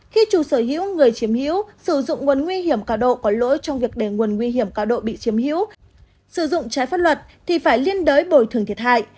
khi chủ sở hữu người chiếm hữu sử dụng nguồn nguy hiểm cao độ có lỗi trong việc để nguồn nguy hiểm cao độ bị chiếm hữu sử dụng trái pháp luật thì phải liên đối bồi thường thiệt hại